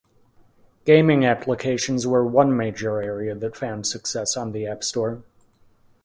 Gaming applications were one major area that found success on the App Store.